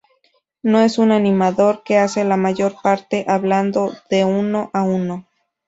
No es un animador, que hace la mayor parte hablando de uno a uno.